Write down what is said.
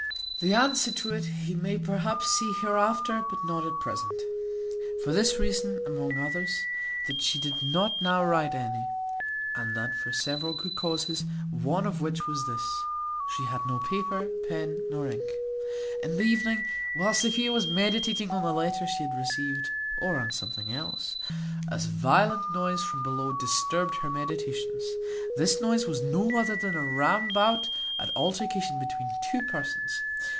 The answer to it he may perhaps see hereafter, but not at present: for this reason, among others, that she did not now write any, and that for several good causes, one of which was this, she had no paper, pen, nor ink. In the evening, while Sophia was meditating on the letter she had received, or on something else, a violent noise from below disturbed her meditations. This noise was no other than a round bout at altercation between two persons.